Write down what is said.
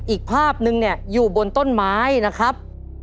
อีกภาพหนึ่งอยู่บนต้นไม้นะครับ